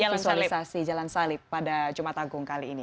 visualisasi jalan salib pada jumat agung kali ini